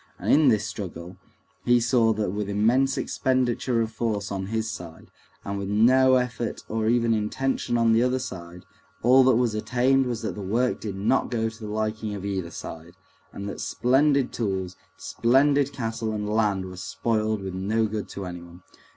And in this struggle he saw that with immense expenditure of force on his side, and with no effort or even intention on the other side, all that was attained was that the work did not go to the liking of either side, and that splendid tools, splendid cattle and land were spoiled with no good to anyone.